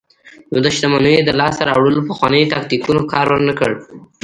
نو د شتمنیو د لاسته راوړلو پخوانیو تاکتیکونو کار ورنکړ.